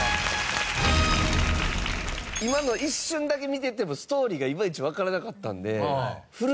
今の一瞬だけ見ててもストーリーがいまいちわからなかったんで。